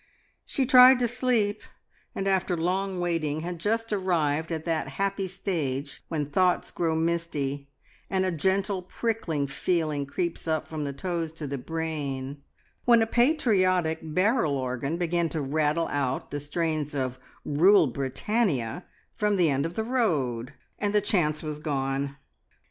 She tried to sleep, and after long waiting had just arrived at that happy stage when thoughts grow misty, and a gentle prickling feeling creeps up from the toes to the brain, when a patriotic barrel organ began to rattle out the strains of "Rule, Britannia" from the end of the road, and the chance was gone.